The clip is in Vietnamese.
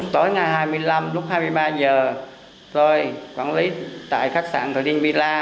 tối ngày hai mươi năm lúc hai mươi ba giờ tôi quản lý tại khách sạn tòa dinh villa